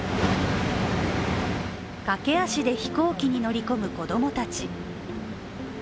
駆け足で飛行機に乗り込む子供たち。